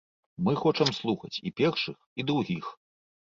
Мы хочам слухаць і першых і другіх.